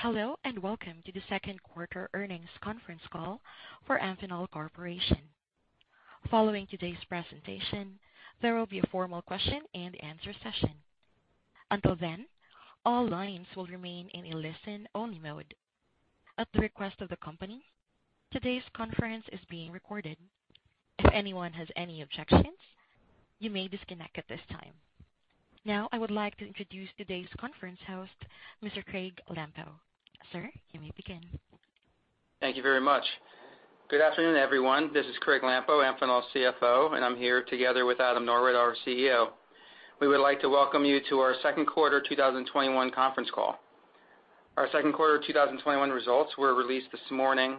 Hello, and welcome to the second quarter earnings conference call for Amphenol Corporation. Following today's presentation, there will be a formal question and answer session. Until then, all lines will remain in a listen only mode. At the request of the company, today's conference is being recorded. If anyone has any objections, you may disconnect at this time. Now, I would like to introduce today's conference host, Mr. Craig Lampo. Sir, you may begin. Thank you very much. Good afternoon, everyone. This is Craig Lampo, Amphenol's CFO, and I'm here together with R. Adam Norwitt, our CEO. We would like to welcome you to our second quarter 2021 conference call. Our second quarter 2021 results were released this morning.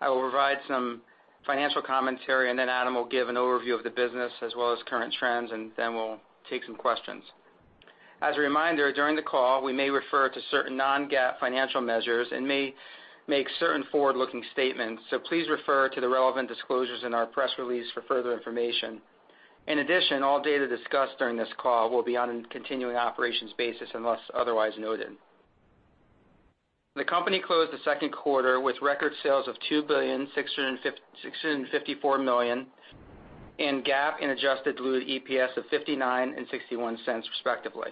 I will provide some financial commentary, and then Adam will give an overview of the business as well as current trends, and then we'll take some questions. As a reminder, during the call, we may refer to certain non-GAAP financial measures and may make certain forward-looking statements, so please refer to the relevant disclosures in our press release for further information. In addition, all data discussed during this call will be on a continuing operations basis unless otherwise noted. The company closed the second quarter with record sales of $2.654 billion in GAAP and adjusted diluted EPS of $0.59 and $0.61 respectively.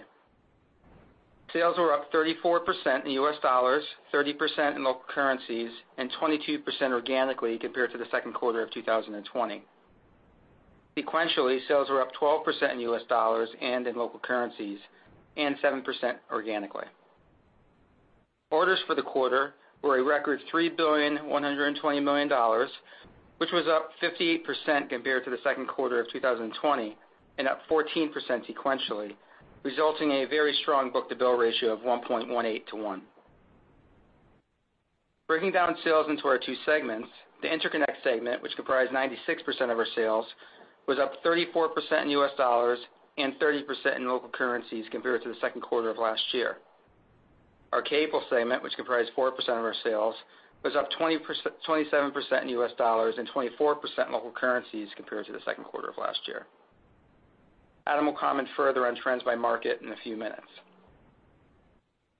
Sales were up 34% in U.S. dollars, 30% in local currencies, and 22% organically compared to the second quarter of 2020. Sequentially, sales were up 12% in U.S. dollars and in local currencies, and 7% organically. Orders for the quarter were a record $3.12 billion, which was up 58% compared to the second quarter of 2020 and up 14% sequentially, resulting in a very strong book-to-bill ratio of 1.18:1. Breaking down sales into our two segments, the interconnect segment, which comprised 96% of our sales, was up 34% in U.S. dollars and 30% in local currencies compared to the second quarter of last year. Our cable segment, which comprised 4% of our sales, was up 27% in U.S. dollars and 24% in local currencies compared to the second quarter of last year. Adam will comment further on trends by market in a few minutes.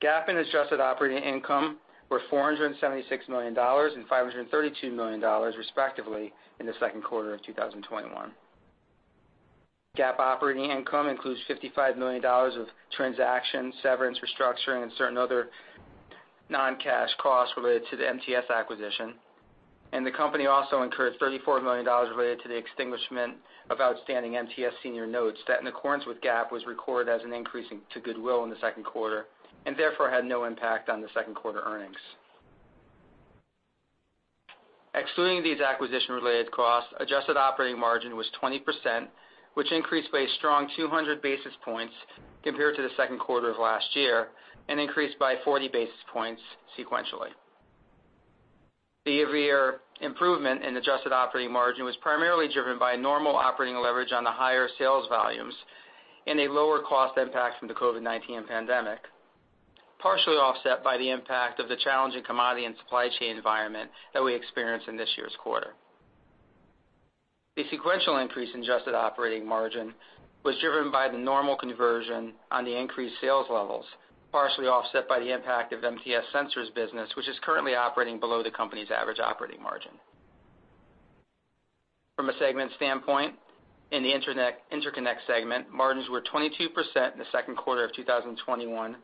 GAAP and adjusted operating income were $476 million and $532 million respectively in the second quarter of 2021. GAAP operating income includes $55 million of transaction, severance, restructuring, and certain other non-cash costs related to the MTS acquisition, and the company also incurred $34 million related to the extinguishment of outstanding MTS senior notes that, in accordance with GAAP, was recorded as an increase to goodwill in the second quarter and therefore had no impact on the second quarter earnings. Excluding these acquisition-related costs, adjusted operating margin was 20%, which increased by a strong 200 basis points compared to the second quarter of last year and increased by 40 basis points sequentially. The year-over-year improvement in adjusted operating margin was primarily driven by normal operating leverage on the higher sales volumes and a lower cost impact from the COVID-19 pandemic, partially offset by the impact of the challenging commodity and supply chain environment that we experienced in this year's quarter. The sequential increase in adjusted operating margin was driven by the normal conversion on the increased sales levels, partially offset by the impact of MTS Sensors business, which is currently operating below the company's average operating margin. From a segment standpoint, in the interconnect segment, margins were 22% in the second quarter of 2021,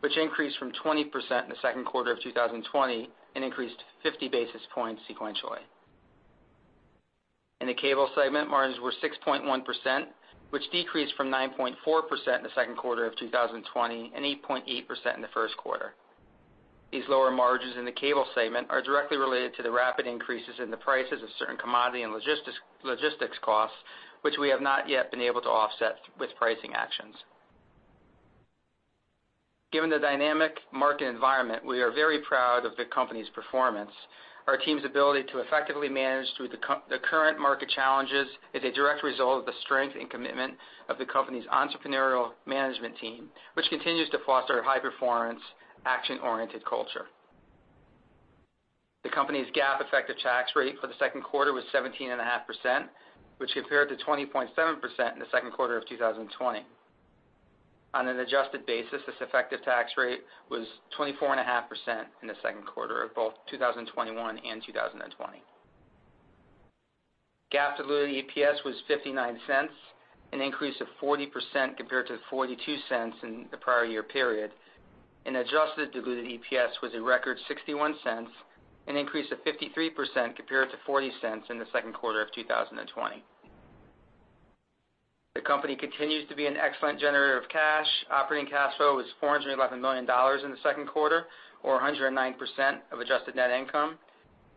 which increased from 20% in the second quarter of 2020 and increased 50 basis points sequentially. In the cable segment, margins were 6.1%, which decreased from 9.4% in the second quarter of 2020 and 8.8% in the first quarter. These lower margins in the cable segment are directly related to the rapid increases in the prices of certain commodity and logistics costs, which we have not yet been able to offset with pricing actions. Given the dynamic market environment, we are very proud of the company's performance. Our team's ability to effectively manage through the current market challenges is a direct result of the strength and commitment of the company's entrepreneurial management team, which continues to foster a high-performance, action-oriented culture. The company's GAAP effective tax rate for the second quarter was 17.5%, which compared to 20.7% in the second quarter of 2020. On an adjusted basis, this effective tax rate was 24.5% in the second quarter of both 2021 and 2020. GAAP diluted EPS was $0.59, an increase of 40% compared to $0.42 in the prior year period, and adjusted diluted EPS was a record $0.61, an increase of 53% compared to $0.40 in the second quarter of 2020. The company continues to be an excellent generator of cash. Operating cash flow was $411 million in the second quarter, or 109% of adjusted net income,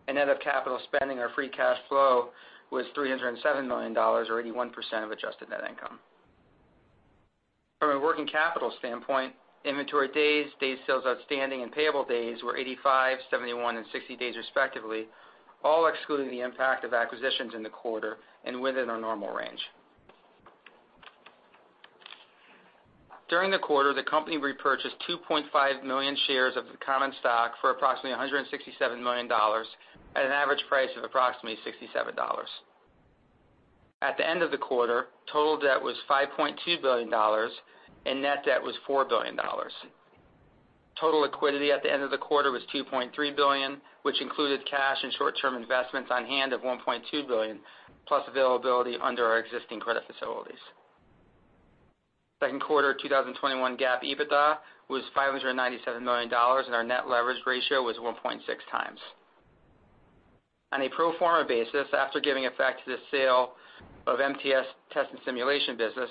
and net of capital spending or free cash flow was $307 million, or 81% of adjusted net income. From a working capital standpoint, inventory days sales outstanding, and payable days were 85, 71 and 60 days respectively, all excluding the impact of acquisitions in the quarter and within our normal range. During the quarter, the company repurchased 2.5 million shares of the common stock for approximately $167 million at an average price of approximately $67. At the end of the quarter, total debt was $5.2 billion and net debt was $4 billion. Total liquidity at the end of the quarter was $2.3 billion, which included cash and short-term investments on hand of $1.2 billion, plus availability under our existing credit facilities. Second quarter 2021 GAAP EBITDA was $597 million, and our net leverage ratio was 1.6 times. On a pro forma basis, after giving effect to the sale of MTS Test & Simulation business,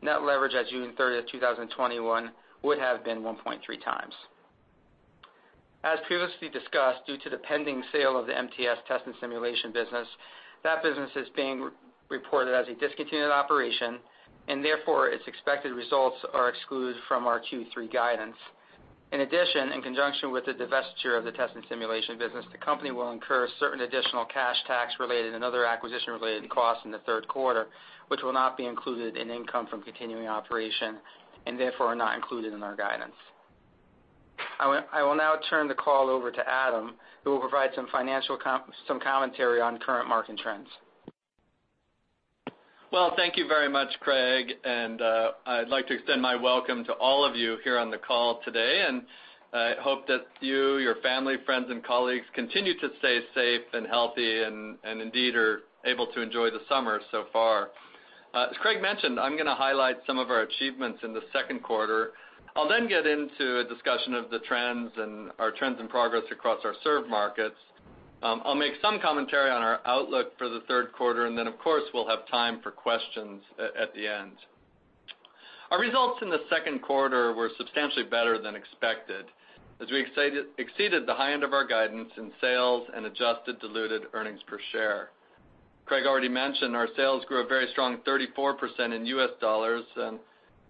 net leverage as of June 30th, 2021 would have been 1.3x. As previously discussed, due to the pending sale of the MTS Test & Simulation business, that business is being reported as a discontinued operation, and therefore, its expected results are excluded from our Q3 guidance. In addition, in conjunction with the divestiture of the Test and Simulation business, the company will incur certain additional cash tax related and other acquisition related costs in the third quarter, which will not be included in income from continuing operation, and therefore, are not included in our guidance. I will now turn the call over to Adam, who will provide some commentary on current market trends. Well, thank you very much, Craig. I'd like to extend my welcome to all of you here on the call today. I hope that you, your family, friends, and colleagues continue to stay safe and healthy and indeed are able to enjoy the summer so far. As Craig mentioned, I'm going to highlight some of our achievements in the second quarter. I'll get into a discussion of our trends and progress across our served markets. I'll make some commentary on our outlook for the third quarter. Of course, we'll have time for questions at the end. Our results in the second quarter were substantially better than expected as we exceeded the high end of our guidance in sales and adjusted diluted earnings per share. Craig already mentioned our sales grew a very strong 34% in U.S. dollars and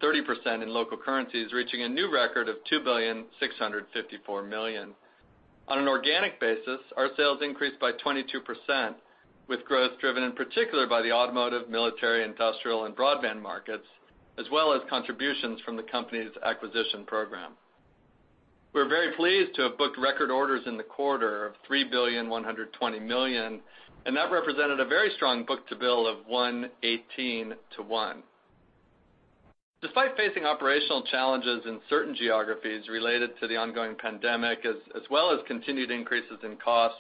30% in local currencies, reaching a new record of $2.654 billion. On an organic basis, our sales increased by 22%, with growth driven in particular by the automotive, military, industrial, and broadband markets, as well as contributions from the company's acquisition program. We're very pleased to have booked record orders in the quarter of $3.120 billion. That represented a very strong book-to-bill of 118 to 1. Despite facing operational challenges in certain geographies related to the ongoing pandemic, as well as continued increases in costs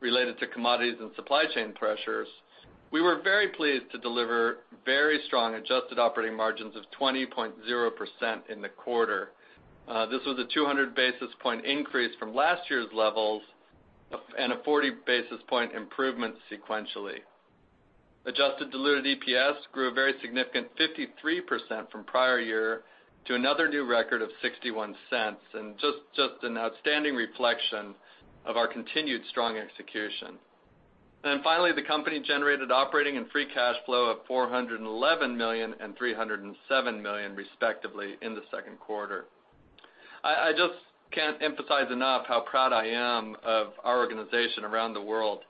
related to commodities and supply chain pressures, we were very pleased to deliver very strong adjusted operating margins of 20.0% in the quarter. This was a 200 basis point increase from last year's levels and a 40 basis point improvement sequentially. Adjusted diluted EPS grew a very significant 53% from prior year to another new record of $0.61, just an outstanding reflection of our continued strong execution. Finally, the company generated operating and free cash flow of $411 million and $307 million respectively in the second quarter. I just can't emphasize enough how proud I am of our organization around the world.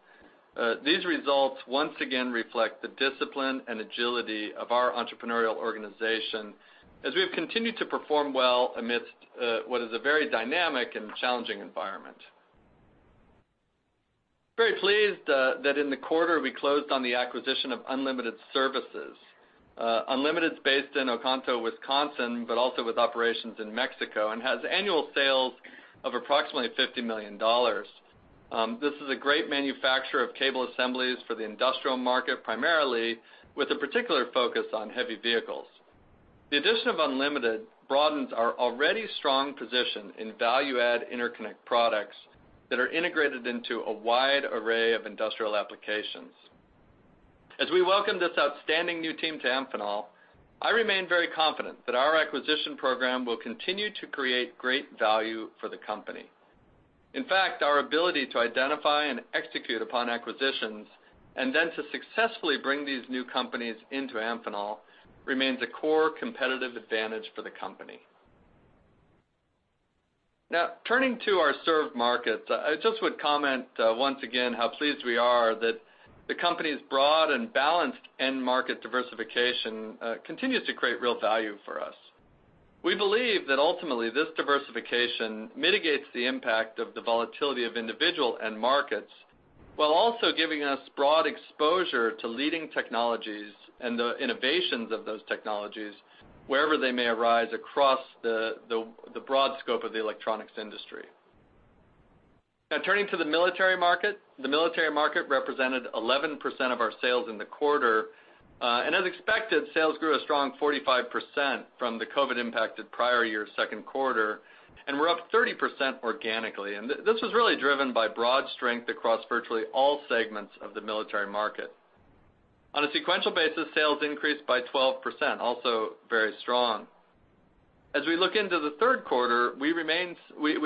These results once again reflect the discipline and agility of our entrepreneurial organization as we have continued to perform well amidst what is a very dynamic and challenging environment. Very pleased that in the quarter we closed on the acquisition of Unlimited Services. Unlimited's based in Oconto, Wisconsin, but also with operations in Mexico and has annual sales of approximately $50 million. This is a great manufacturer of cable assemblies for the industrial market, primarily with a particular focus on heavy vehicles. The addition of Unlimited broadens our already strong position in value-add interconnect products that are integrated into a wide array of industrial applications. As we welcome this outstanding new team to Amphenol, I remain very confident that our acquisition program will continue to create great value for the company. In fact, our ability to identify and execute upon acquisitions and then to successfully bring these new companies into Amphenol remains a core competitive advantage for the company. Now, turning to our served markets, I just would comment once again how pleased we are that the company's broad and balanced end market diversification continues to create real value for us. We believe that ultimately this diversification mitigates the impact of the volatility of individual end markets, while also giving us broad exposure to leading technologies and the innovations of those technologies wherever they may arise across the broad scope of the electronics industry. Now turning to the military market. The military market represented 11% of our sales in the quarter. As expected, sales grew a strong 45% from the COVID-19 impacted prior year second quarter, and were up 30% organically. This was really driven by broad strength across virtually all segments of the military market. On a sequential basis, sales increased by 12%, also very strong. As we look into the third quarter, we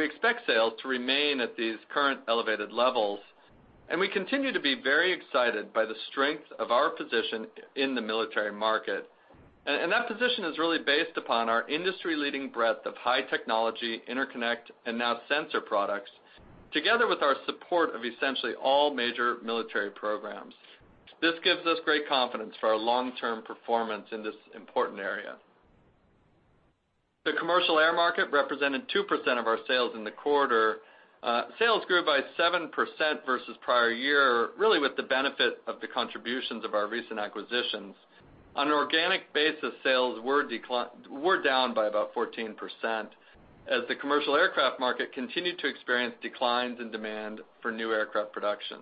expect sales to remain at these current elevated levels, and we continue to be very excited by the strength of our position in the military market. That position is really based upon our industry-leading breadth of high technology interconnect and now sensor products, together with our support of essentially all major military programs. This gives us great confidence for our long-term performance in this important area. The commercial air market represented 2% of our sales in the quarter. Sales grew by 7% versus prior year, really with the benefit of the contributions of our recent acquisitions. On an organic basis, sales were down by about 14%, as the commercial aircraft market continued to experience declines in demand for new aircraft production.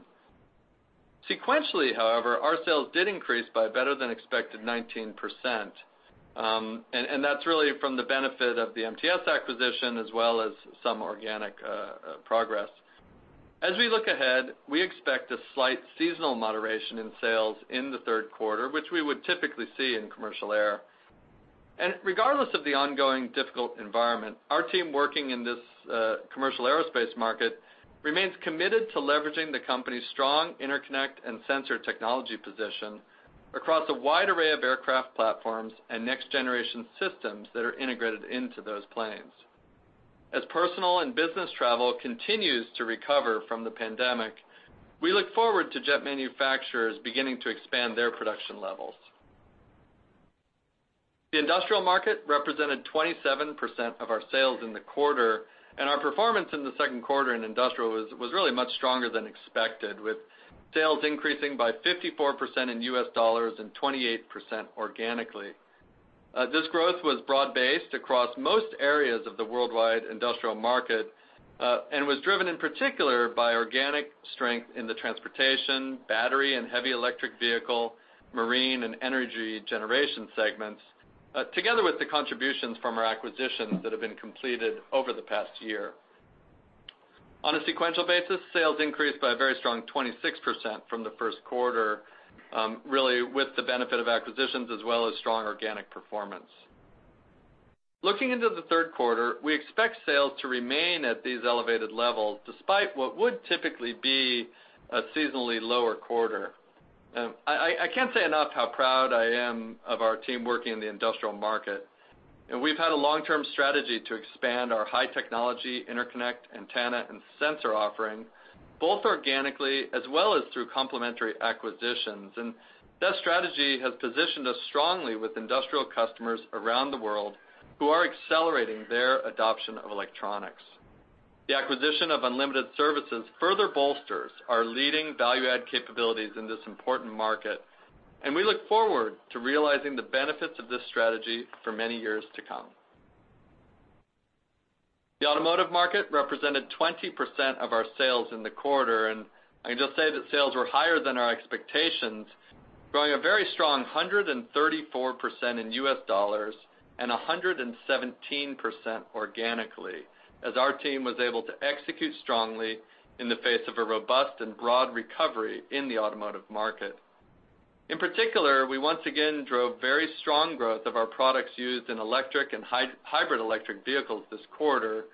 Sequentially, however, our sales did increase by a better than expected 19%, and that's really from the benefit of the MTS acquisition as well as some organic progress. As we look ahead, we expect a slight seasonal moderation in sales in the third quarter, which we would typically see in commercial air. Regardless of the ongoing difficult environment, our team working in this commercial aerospace market remains committed to leveraging the company's strong interconnect and sensor technology position across a wide array of aircraft platforms and next generation systems that are integrated into those planes. As personal and business travel continues to recover from the pandemic, we look forward to jet manufacturers beginning to expand their production levels. The industrial market represented 27% of our sales in the quarter, and our performance in the second quarter in industrial was really much stronger than expected, with sales increasing by 54% in US dollars and 28% organically. This growth was broad-based across most areas of the worldwide industrial market, and was driven in particular by organic strength in the transportation, battery and heavy electric vehicle, marine, and energy generation segments, together with the contributions from our acquisitions that have been completed over the past year. On a sequential basis, sales increased by a very strong 26% from the first quarter, really with the benefit of acquisitions as well as strong organic performance. Looking into the third quarter, we expect sales to remain at these elevated levels despite what would typically be a seasonally lower quarter. I can't say enough how proud I am of our team working in the industrial market. We've had a long-term strategy to expand our high technology interconnect, antenna, and sensor offering, both organically as well as through complementary acquisitions. That strategy has positioned us strongly with industrial customers around the world who are accelerating their adoption of electronics. The acquisition of Unlimited Services further bolsters our leading value add capabilities in this important market, and I look forward to realizing the benefits of this strategy for many years to come. The automotive market represented 20% of our sales in the quarter, and I can just say that sales were higher than our expectations, growing a very strong 134% in US dollars and 117% organically, as our team was able to execute strongly in the face of a robust and broad recovery in the automotive market. In particular, we once again drove very strong growth of our products used in electric and hybrid electric vehicles this quarter,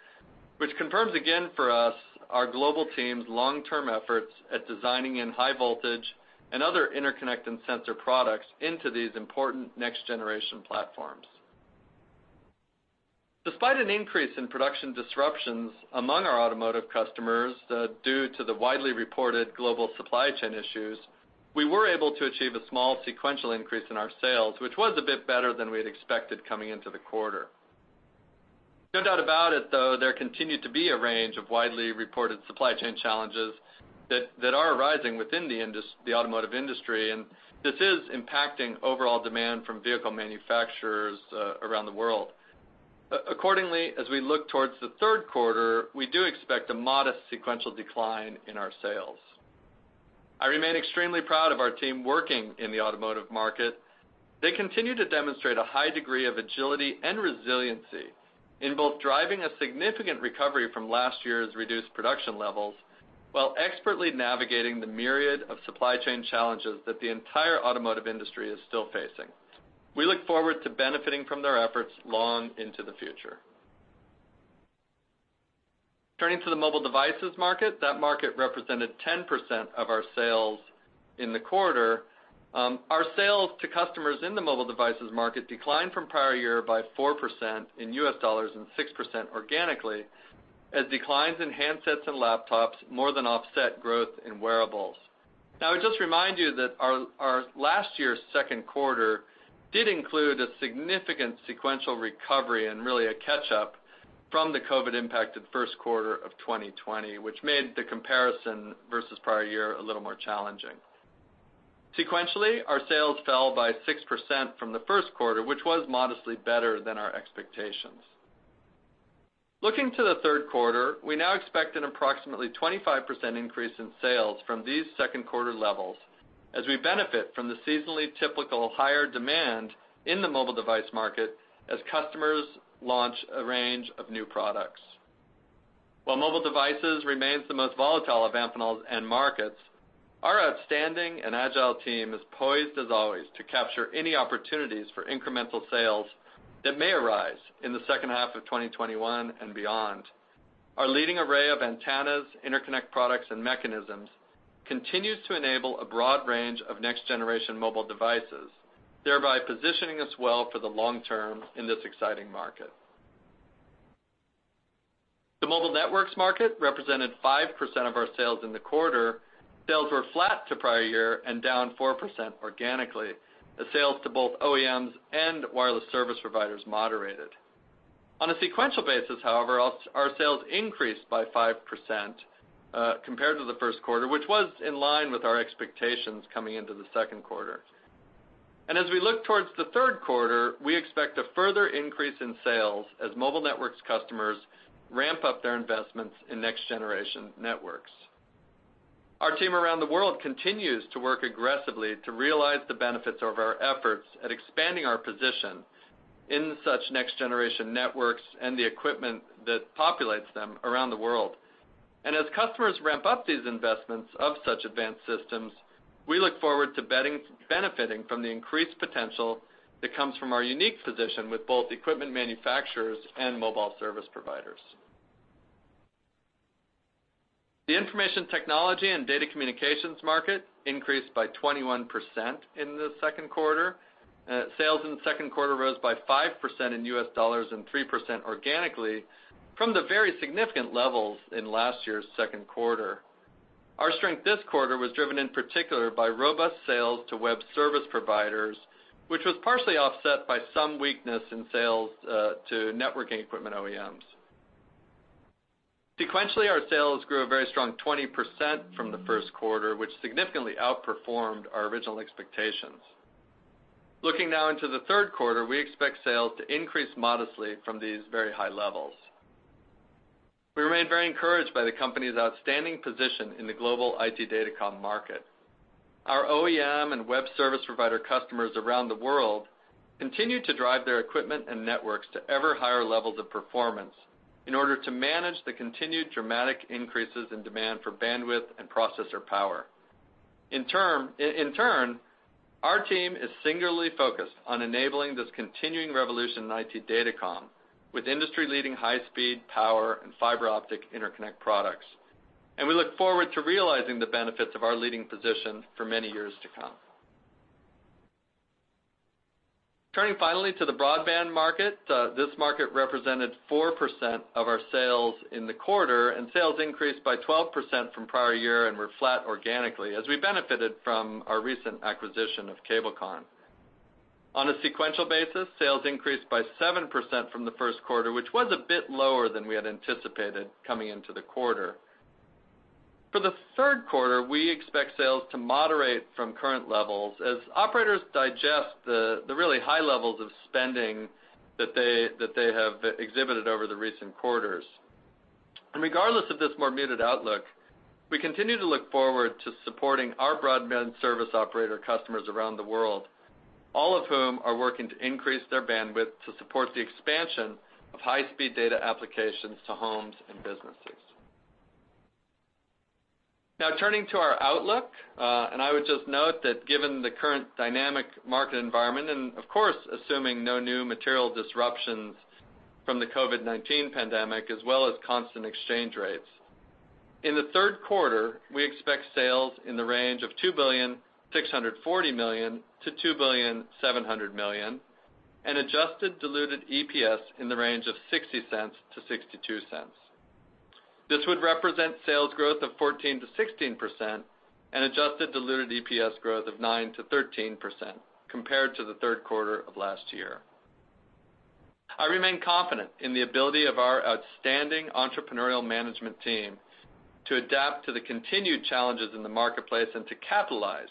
which confirms again for us our global team's long-term efforts at designing in high voltage and other interconnect and sensor products into these important next generation platforms. Despite an increase in production disruptions among our automotive customers due to the widely reported global supply chain issues, we were able to achieve a small sequential increase in our sales, which was a bit better than we had expected coming into the quarter. No doubt about it, though, there continued to be a range of widely reported supply chain challenges that are arising within the automotive industry. This is impacting overall demand from vehicle manufacturers around the world. Accordingly, as we look towards the third quarter, we do expect a modest sequential decline in our sales. I remain extremely proud of our team working in the automotive market. They continue to demonstrate a high degree of agility and resiliency in both driving a significant recovery from last year's reduced production levels while expertly navigating the myriad of supply chain challenges that the entire automotive industry is still facing. We look forward to benefiting from their efforts long into the future. Turning to the mobile devices market, that market represented 10% of our sales in the quarter. Our sales to customers in the mobile devices market declined from prior year by 4% in U.S. dollars and 6% organically, as declines in handsets and laptops more than offset growth in wearables. Now, I would just remind you that our last year's second quarter did include a significant sequential recovery and really a catch-up from the COVID-19 impacted first quarter of 2020, which made the comparison versus prior year a little more challenging. Sequentially, our sales fell by 6% from the first quarter, which was modestly better than our expectations. Looking to the third quarter, we now expect an approximately 25% increase in sales from these second quarter levels as we benefit from the seasonally typical higher demand in the mobile device market as customers launch a range of new products. While mobile devices remains the most volatile of Amphenol's end markets, our outstanding and agile team is poised as always to capture any opportunities for incremental sales that may arise in the second half of 2021 and beyond. Our leading array of antennas, interconnect products, and mechanisms continues to enable a broad range of next-generation mobile devices, thereby positioning us well for the long term in this exciting market. The mobile networks market represented 5% of our sales in the quarter. Sales were flat to prior year and down 4% organically. The sales to both OEMs and wireless service providers moderated. On a sequential basis, however, our sales increased by 5% compared to the first quarter, which was in line with our expectations coming into the second quarter. As we look towards the third quarter, we expect a further increase in sales as mobile networks customers ramp up their investments in next-generation networks. Our team around the world continues to work aggressively to realize the benefits of our efforts at expanding our position in such next-generation networks and the equipment that populates them around the world. As customers ramp up these investments of such advanced systems, we look forward to benefiting from the increased potential that comes from our unique position with both equipment manufacturers and mobile service providers. The information technology and data communications market increased by 21% in the second quarter. Sales in the second quarter rose by 5% in US dollars and 3% organically from the very significant levels in last year's second quarter. Our strength this quarter was driven in particular by robust sales to web service providers, which was partially offset by some weakness in sales to networking equipment OEMs. Sequentially, our sales grew a very strong 20% from the first quarter, which significantly outperformed our original expectations. Looking now into the third quarter, we expect sales to increase modestly from these very high levels. We remain very encouraged by the company's outstanding position in the global IT datacom market. Our OEM and web service provider customers around the world continue to drive their equipment and networks to ever higher levels of performance in order to manage the continued dramatic increases in demand for bandwidth and processor power. In turn, our team is singularly focused on enabling this continuing revolution in IT datacom with industry-leading high speed, power, and fiber optic interconnect products. We look forward to realizing the benefits of our leading position for many years to come. Turning finally to the broadband market. This market represented 4% of our sales in the quarter, and sales increased by 12% from prior year and were flat organically as we benefited from our recent acquisition of Cabelcon. On a sequential basis, sales increased by 7% from the first quarter, which was a bit lower than we had anticipated coming into the quarter. For the third quarter, we expect sales to moderate from current levels as operators digest the really high levels of spending that they have exhibited over the recent quarters. Regardless of this more muted outlook, we continue to look forward to supporting our broadband service operator customers around the world, all of whom are working to increase their bandwidth to support the expansion of high-speed data applications to homes and businesses. Now turning to our outlook, I would just note that given the current dynamic market environment, of course, assuming no new material disruptions from the COVID-19 pandemic, as well as constant exchange rates. In the third quarter, we expect sales in the range of $2.64 to 2.70 billion and adjusted diluted EPS in the range of $0.60 to $0.62. This would represent sales growth of 14% to 16% and adjusted diluted EPS growth of 9% to 13% compared to the third quarter of last year. I remain confident in the ability of our outstanding entrepreneurial management team to adapt to the continued challenges in the marketplace and to capitalize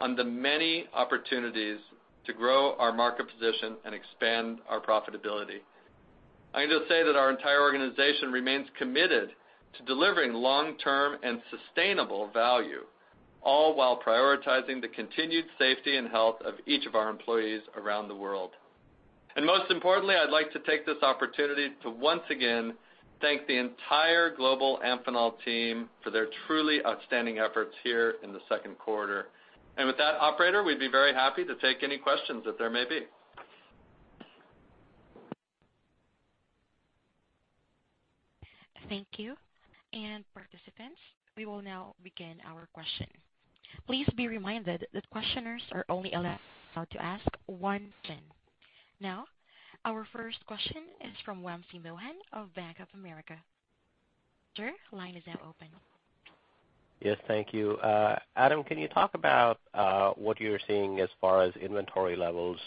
on the many opportunities to grow our market position and expand our profitability. I can just say that our entire organization remains committed to delivering long-term and sustainable value, all while prioritizing the continued safety and health of each of our employees around the world. Most importantly, I'd like to take this opportunity to once again thank the entire global Amphenol team for their truly outstanding efforts here in the second quarter. With that, operator, we'd be very happy to take any questions that there may be. Thank you. Participants, we will now begin our first question. Please be reminded that questioners are only allowed to ask 1 question. Our first question is from Wamsi Mohan of Bank of America. Sir, line is now open. Yes, thank you. Adam, can you talk about what you're seeing as far as inventory levels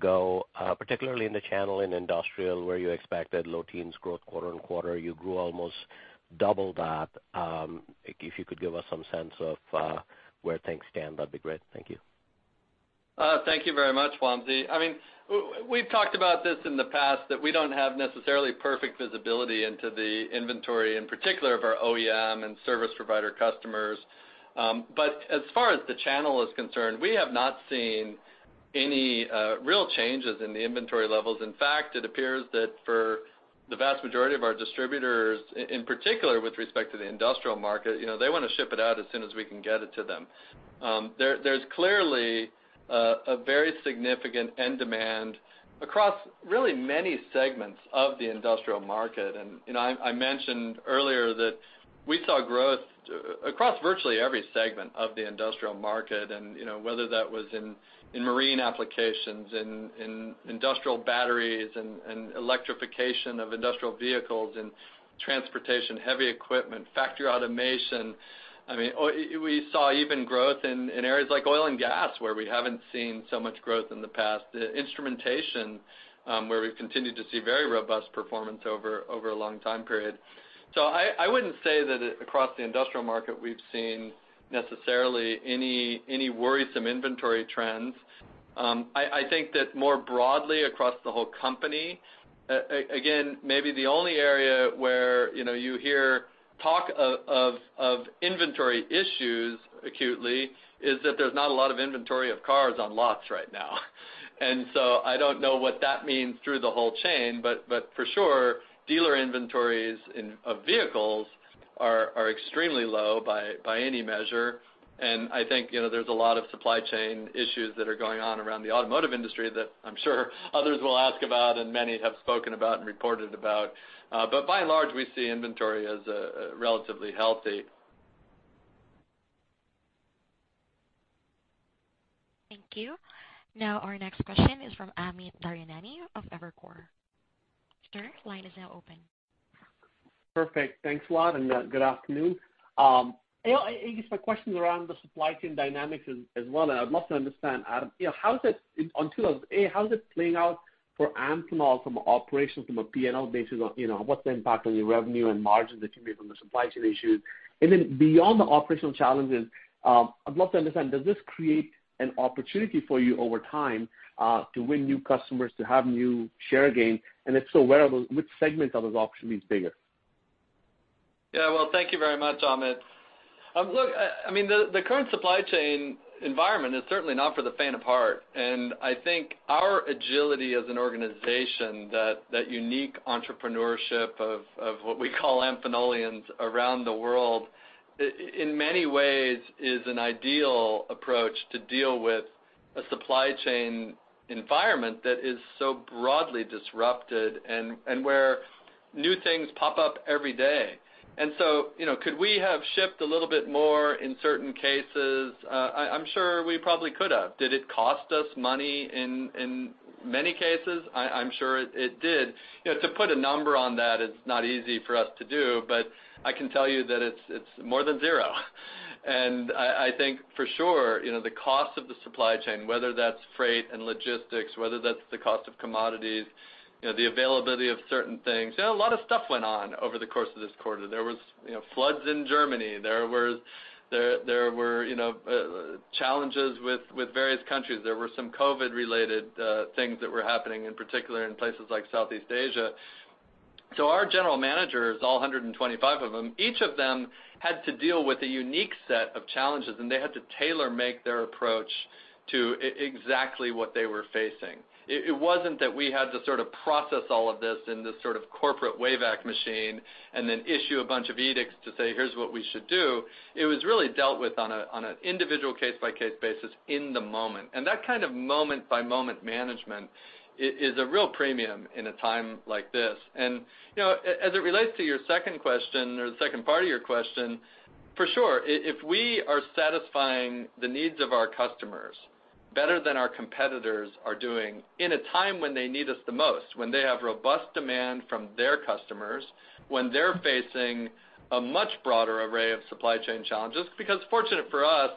go, particularly in the channel in industrial, where you expected low teens growth quarter-on-quarter, you grew almost double that. If you could give us some sense of where things stand, that'd be great. Thank you. Thank you very much, Wamsi. We've talked about this in the past, that we don't have necessarily perfect visibility into the inventory, in particular of our OEM and service provider customers. As far as the channel is concerned, we have not seen any real changes in the inventory levels. In fact, it appears that for the vast majority of our distributors, in particular, with respect to the industrial market, they want to ship it out as soon as we can get it to them. There's clearly a very significant end demand across really many segments of the industrial market. I mentioned earlier that we saw growth across virtually every segment of the industrial market, and whether that was in marine applications, in industrial batteries, in electrification of industrial vehicles, in transportation, heavy equipment, factory automation. We saw even growth in areas like oil and gas, where we haven't seen so much growth in the past. Instrumentation, where we've continued to see very robust performance over a long time period. I wouldn't say that across the industrial market, we've seen necessarily any worrisome inventory trends. I think that more broadly across the whole company, again, maybe the only area where you hear talk of inventory issues acutely is that there's not a lot of inventory of cars on lots right now. I don't know what that means through the whole chain, but for sure, dealer inventories of vehicles are extremely low by any measure. I think there's a lot of supply chain issues that are going on around the automotive industry that I'm sure others will ask about and many have spoken about and reported about. By and large, we see inventory as relatively healthy. Thank you. Our next question is from Amit Daryanani of Evercore. Sir, line is now open. Perfect. Thanks a lot. Good afternoon. I guess my question is around the supply chain dynamics as well. I would love to understand, Adam. On 2022, A, how is it playing out for Amphenol from an operations, from a P&L basis? What's the impact on your revenue and margins that you made from the supply chain issues? Beyond the operational challenges, I'd love to understand, does this create an opportunity for you over time, to win new customers, to have new share gains? If so, which segment of those opportunity is bigger? Yeah. Well, thank you very much, Amit. Look, the current supply chain environment is certainly not for the faint of heart, and I think our agility as an organization, that unique entrepreneurship of what we call Amphenolians around the world, in many ways is an ideal approach to deal with a supply chain environment that is so broadly disrupted and where new things pop up every day. Could we have shipped a little bit more in certain cases? I'm sure we probably could have. Did it cost us money in many cases? I'm sure it did. To put a number on that, it's not easy for us to do, but I can tell you that it's more than zero. I think for sure, the cost of the supply chain, whether that's freight and logistics, whether that's the cost of commodities, the availability of certain things. A lot of stuff went on over the course of this quarter. There was floods in Germany. There were challenges with various countries. There were some COVID-related things that were happening, in particular in places like Southeast Asia. Our general managers, all 125 of them, each of them had to deal with a unique set of challenges, and they had to tailor-make their approach to exactly what they were facing. It wasn't that we had to sort of process all of this in this sort of corporate Wavac machine and then issue a bunch of edicts to say, "Here's what we should do." It was really dealt with on an individual case-by-case basis in the moment. That kind of moment-by-moment management is a real premium in a time like this. As it relates to your second question or the second part of your question, for sure, if we are satisfying the needs of our customers better than our competitors are doing in a time when they need us the most, when they have robust demand from their customers, when they're facing a much broader array of supply chain challenges, because fortunate for us,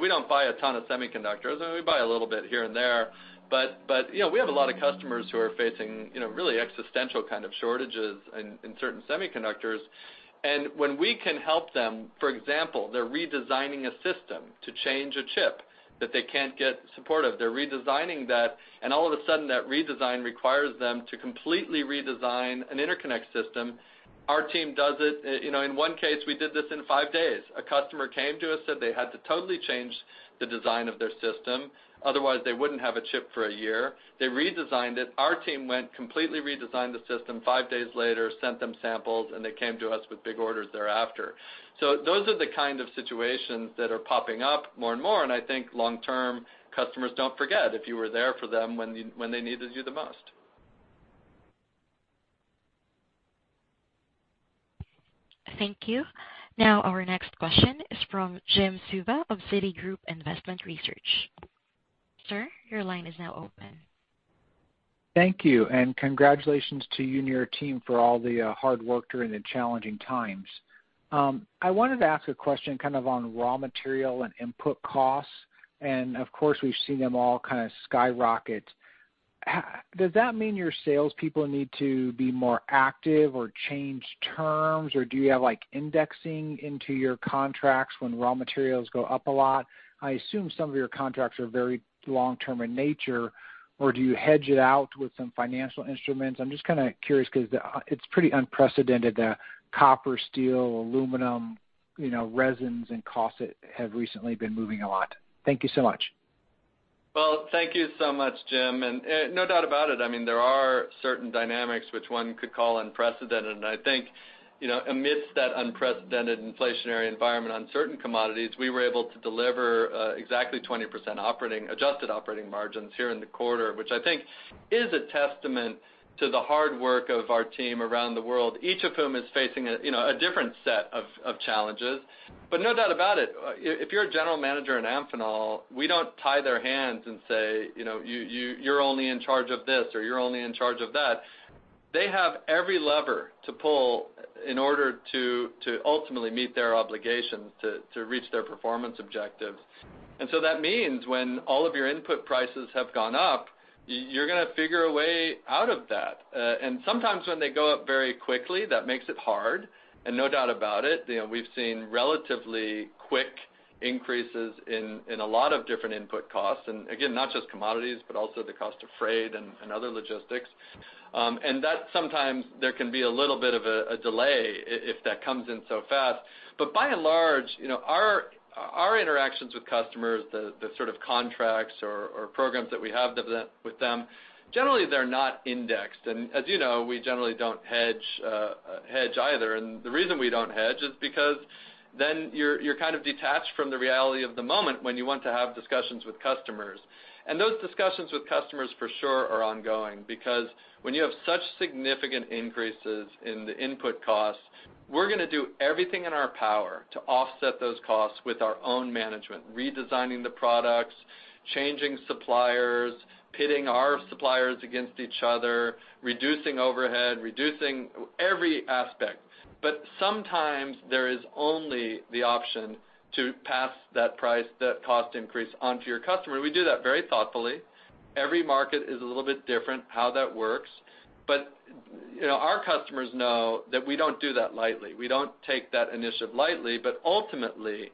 we don't buy a ton of semiconductors. We buy a little bit here and there. We have a lot of customers who are facing really existential kind of shortages in certain semiconductors. When we can help them, for example, they're redesigning a system to change a chip that they can't get support of. They're redesigning that, and all of a sudden, that redesign requires them to completely redesign an interconnect system. Our team does it. In one case, we did this in five days. A customer came to us, said they had to totally change the design of their system, otherwise they wouldn't have a chip for a year. They redesigned it. Our team went, completely redesigned the system, 5 days later, sent them samples, and they came to us with big orders thereafter. Those are the kind of situations that are popping up more and more, and I think long-term, customers don't forget if you were there for them when they needed you the most. Thank you. Now our next question is from Jim Suva of Citigroup Investment Research. Sir, your line is now open. Thank you, and congratulations to you and your team for all the hard work during the challenging times. I wanted to ask a question kind of on raw material and input costs. Of course, we've seen them all kind of skyrocket. Does that mean your salespeople need to be more active or change terms? Do you have indexing into your contracts when raw materials go up a lot? I assume some of your contracts are very long-term in nature. Do you hedge it out with some financial instruments? I'm just kind of curious because it's pretty unprecedented, the copper, steel, aluminum, resins and costs that have recently been moving a lot. Thank you so much. Well, thank you so much, Jim. No doubt about it, there are certain dynamics which one could call unprecedented. I think, amidst that unprecedented inflationary environment on certain commodities, we were able to deliver exactly 20% adjusted operating margins here in the quarter, which I think is a testament to the hard work of our team around the world, each of whom is facing a different set of challenges. No doubt about it, if you're a general manager in Amphenol, we don't tie their hands and say, "You're only in charge of this," or, "You're only in charge of that." They have every lever to pull in order to ultimately meet their obligations to reach their performance objectives. That means when all of your input prices have gone up, you're going to figure a way out of that. Sometimes when they go up very quickly, that makes it hard, no doubt about it, we've seen relatively quick increases in a lot of different input costs. Again, not just commodities, but also the cost of freight and other logistics. That sometimes there can be a little bit of a delay if that comes in so fast. By and large, our interactions with customers, the sort of contracts or programs that we have with them, generally they're not indexed. As you know, we generally don't hedge either. The reason we don't hedge is because then you're kind of detached from the reality of the moment when you want to have discussions with customers. Those discussions with customers for sure are ongoing, because when you have such significant increases in the input costs, we're going to do everything in our power to offset those costs with our own management, redesigning the products, changing suppliers, pitting our suppliers against each other, reducing overhead, reducing every aspect. Sometimes there is only the option to pass that cost increase on to your customer, and we do that very thoughtfully. Every market is a little bit different how that works. Our customers know that we don't do that lightly. We don't take that initiative lightly, but ultimately,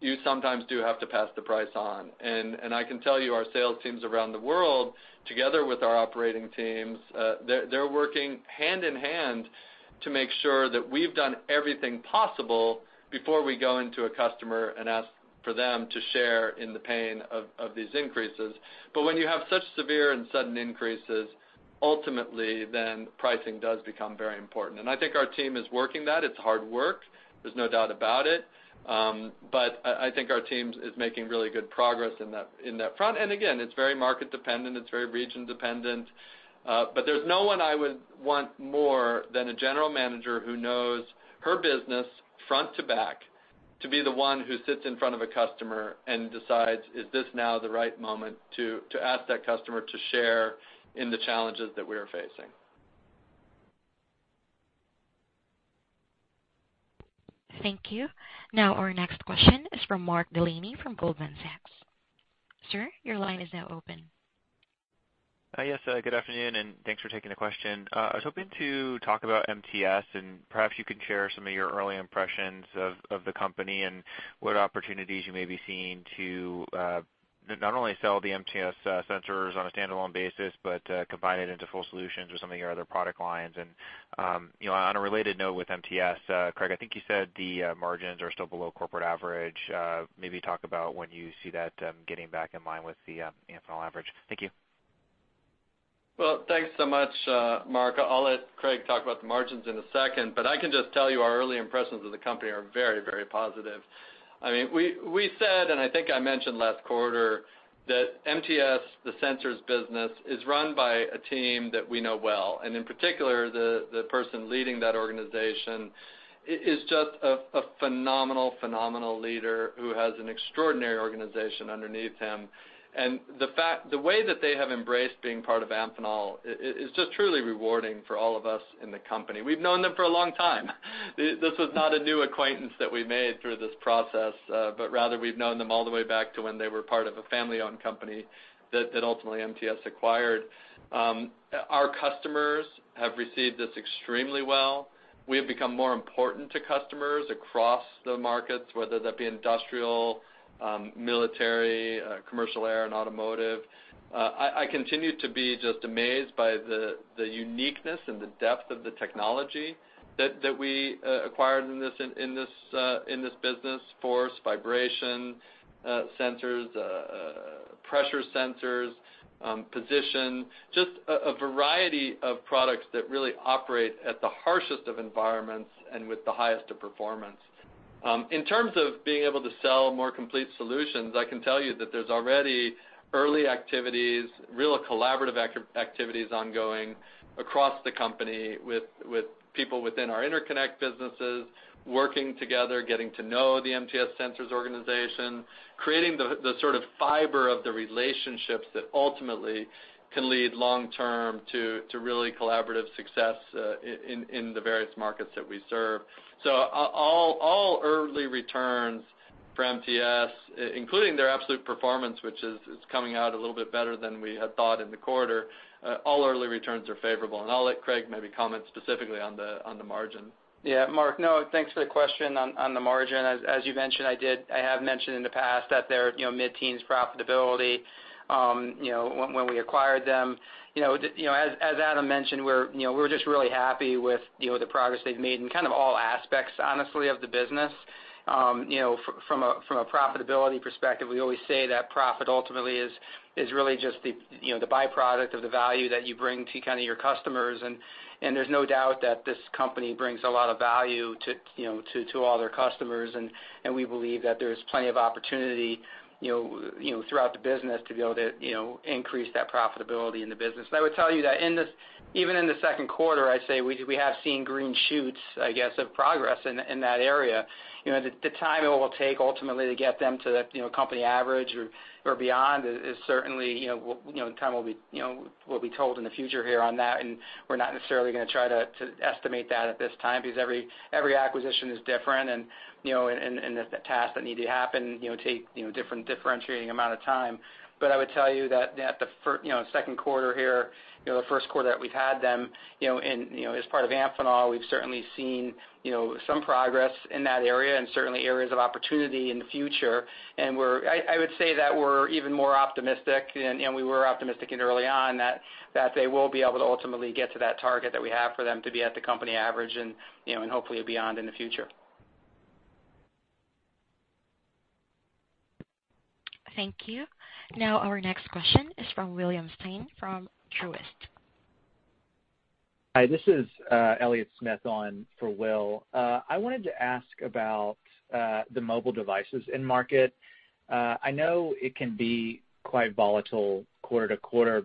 you sometimes do have to pass the price on. I can tell you our sales teams around the world, together with our operating teams, they're working hand in hand to make sure that we've done everything possible before we go into a customer and ask for them to share in the pain of these increases. When you have such severe and sudden increases, ultimately then pricing does become very important. I think our team is working that. It's hard work. There's no doubt about it. I think our team is making really good progress in that front. Again, it's very market dependent. It's very region dependent. There's no one I would want more than a general manager who knows her business front to back to be the one who sits in front of a customer and decides, is this now the right moment to ask that customer to share in the challenges that we're facing. Thank you. Now our next question is from Mark Delaney from Goldman Sachs. Sir, your line is now open. Yes, good afternoon, and thanks for taking the question. I was hoping to talk about MTS, and perhaps you can share some of your early impressions of the company and what opportunities you may be seeing to not only sell the MTS Sensors on a standalone basis, but combine it into full solutions with some of your other product lines. On a related note with MTS, Craig, I think you said the margins are still below corporate average. Maybe talk about when you see that getting back in line with the Amphenol average. Thank you. Well, thanks so much, Mark. I'll let Craig talk about the margins in a second, but I can just tell you our early impressions of the company are very positive. We said, and I think I mentioned last quarter, that MTS, the sensors business, is run by a team that we know well. In particular, the person leading that organization is just a phenomenal leader who has an extraordinary organization underneath him. The way that they have embraced being part of Amphenol is just truly rewarding for all of us in the company. We've known them for a long time. This was not a new acquaintance that we made through this process, but rather we've known them all the way back to when they were part of a family-owned company that ultimately MTS acquired. Our customers have received this extremely well. We have become more important to customers across the markets, whether that be industrial, military, commercial, air, and automotive. I continue to be just amazed by the uniqueness and the depth of the technology that we acquired in this business. Force, vibration sensors, pressure sensors, position, just a variety of products that really operate at the harshest of environments and with the highest of performance. In terms of being able to sell more complete solutions, I can tell you that there's already early activities, real collaborative activities ongoing across the company with people within our interconnect businesses, working together, getting to know the MTS Sensors organization, creating the sort of fiber of the relationships that ultimately can lead long term to really collaborative success in the various markets that we serve. All early returns for MTS, including their absolute performance, which is coming out a little bit better than we had thought in the quarter. All early returns are favorable, and I'll let Craig maybe comment specifically on the margin. Yeah, Mark. No, thanks for the question on the margin. As you mentioned, I have mentioned in the past that their mid-teens profitability, when we acquired them. As Adam mentioned, we're just really happy with the progress they've made in kind of all aspects, honestly, of the business. From a profitability perspective, we always say that profit ultimately is really just the byproduct of the value that you bring to your customers, and there's no doubt that this company brings a lot of value to all their customers, and we believe that there's plenty of opportunity throughout the business to be able to increase that profitability in the business. I would tell you that even in the second quarter, I'd say, we have seen green shoots, I guess, of progress in that area. The time it will take ultimately to get them to that company average or beyond is certainly Time will be told in the future here on that, and we're not necessarily going to try to estimate that at this time, because every acquisition is different, and the tasks that need to happen take different differentiating amount of time. I would tell you that at the second quarter here, the first quarter that we've had them, as part of Amphenol, we've certainly seen some progress in that area and certainly areas of opportunity in the future. I would say that we're even more optimistic, and we were optimistic early on that they will be able to ultimately get to that target that we have for them to be at the company average and hopefully beyond in the future. Thank you. Now, our next question is from William Stein from Truist. Hi, this is Elliott Smith on for Will. I wanted to ask about the mobile devices in market. I know it can be quite volatile quarter-to-quarter,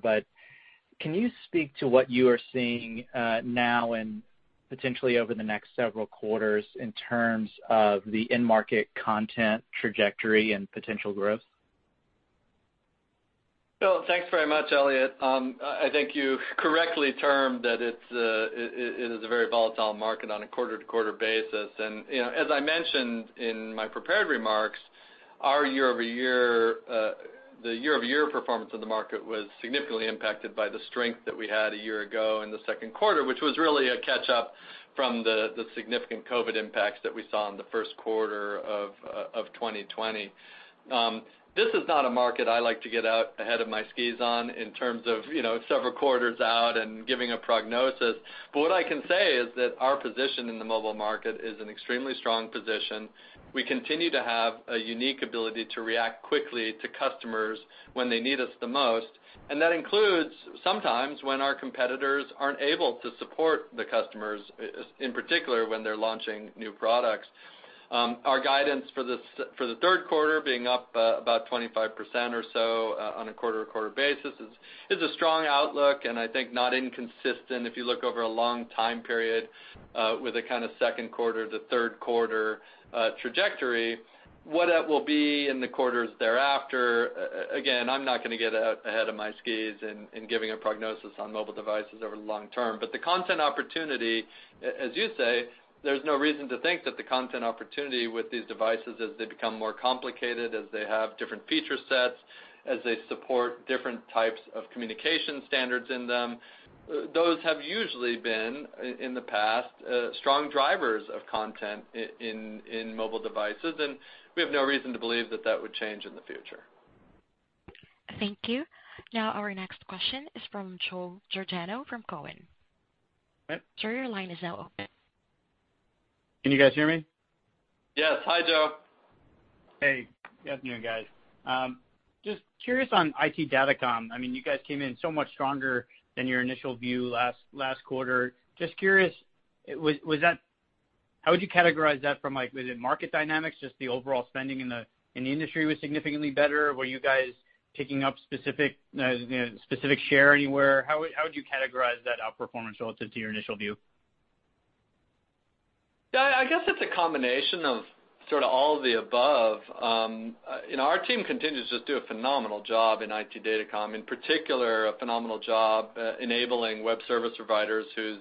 can you speak to what you are seeing now and potentially over the next several quarters in terms of the end-market content trajectory and potential growth? Bill, thanks very much, Elliott. I think you correctly termed that it is a very volatile market on a quarter-to-quarter basis. As I mentioned in my prepared remarks, the year-over-year performance of the market was significantly impacted by the strength that we had a year ago in the second quarter, which was really a catch-up from the significant COVID impacts that we saw in the first quarter of 2020. This is not a market I like to get out ahead of my skis on in terms of several quarters out and giving a prognosis. What I can say is that our position in the mobile market is an extremely strong position. We continue to have a unique ability to react quickly to customers when they need us the most, and that includes sometimes when our competitors aren't able to support the customers, in particular, when they're launching new products. Our guidance for the third quarter being up about 25% or so on a quarter-over-quarter basis is a strong outlook, and I think not inconsistent if you look over a long time period, with a kind of second quarter to third quarter trajectory. What that will be in the quarters thereafter, again, I'm not going to get out ahead of my skis in giving a prognosis on mobile devices over the long term. The content opportunity, as you say, there's no reason to think that the content opportunity with these devices as they become more complicated, as they have different feature sets, as they support different types of communication standards in them. Those have usually been, in the past, strong drivers of content in mobile devices, and we have no reason to believe that that would change in the future. Thank you. Now, our next question is from Joe Giordano from Cowen. Okay. Sir, your line is now open. Can you guys hear me? Yes. Hi, Joe. Hey, good afternoon, guys. Just curious on IT datacom. You guys came in so much stronger than your initial view last quarter. Just curious, how would you categorize that from like, was it market dynamics, just the overall spending in the industry was significantly better? Were you guys picking up specific share anywhere? How would you categorize that outperformance relative to your initial view? Yeah, I guess it's a combination of sort of all the above. Our team continues to do a phenomenal job in IT datacom, in particular, a phenomenal job enabling web service providers whose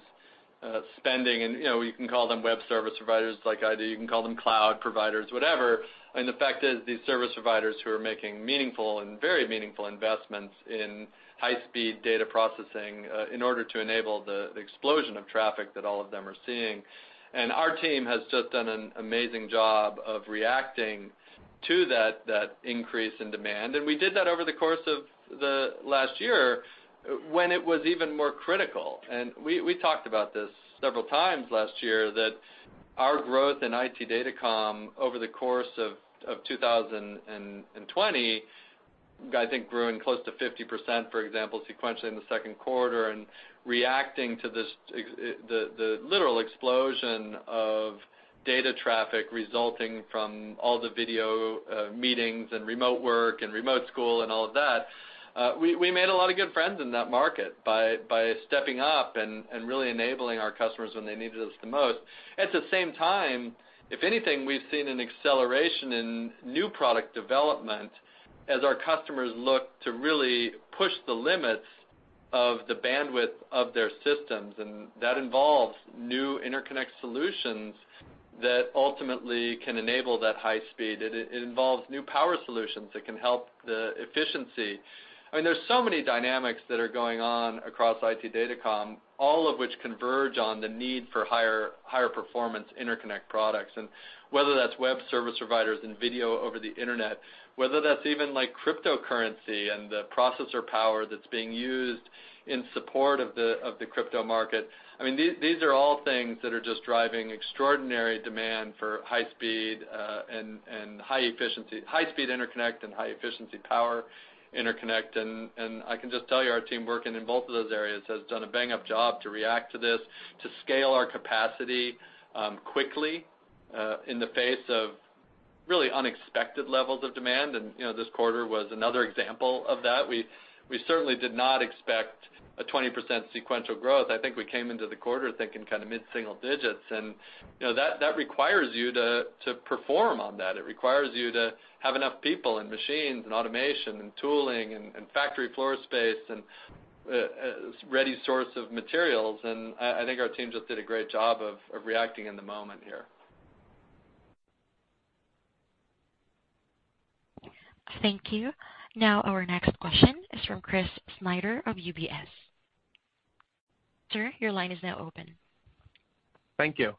spending. You can call them web service providers like ID, you can call them cloud providers, whatever. The fact is these service providers who are making meaningful and very meaningful investments in high-speed data processing in order to enable the explosion of traffic that all of them are seeing. Our team has just done an amazing job of reacting to that increase in demand. We did that over the course of the last year when it was even more critical. We talked about this several times last year that our growth in IT datacom over the course of 2020, I think grew in close to 50%, for example, sequentially in the second quarter, and reacting to the literal explosion of data traffic resulting from all the video meetings and remote work and remote school and all of that. We made a lot of good friends in that market by stepping up and really enabling our customers when they needed us the most. At the same time, if anything, we've seen an acceleration in new product development as our customers look to really push the limits of the bandwidth of their systems, and that involves new interconnect solutions that ultimately can enable that high speed. It involves new power solutions that can help the efficiency. I mean, there's so many dynamics that are going on across IT datacom, all of which converge on the need for higher-performance interconnect products. Whether that's web service providers and video over the internet, whether that's even like cryptocurrency and the processor power that's being used in support of the crypto market. These are all things that are just driving extraordinary demand for high speed and high efficiency, high-speed interconnect and high-efficiency power interconnect. I can just tell you, our team working in both of those areas has done a bang-up job to react to this, to scale our capacity quickly, in the face of really unexpected levels of demand. This quarter was another example of that. We certainly did not expect a 20% sequential growth. I think we came into the quarter thinking kind of mid-single digits, and that requires you to perform on that. It requires you to have enough people and machines and automation and tooling and factory floor space and a ready source of materials. I think our team just did a great job of reacting in the moment here. Thank you. Now our next question is from Chris Snyder of UBS. Sir, your line is now open. Thank you.